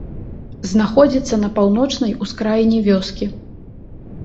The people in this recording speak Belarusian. Знаходзіцца на паўночнай ускраіне вёскі.